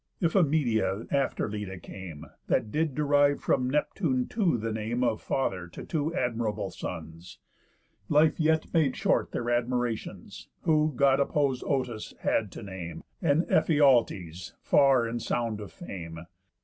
Iphimedia after Leda came, That did derive from Neptune too the name Of father to two admirable sons. Life yet made short their admiratións, Who God opposéd Otus had to name, And Ephialtes far in sound of fame.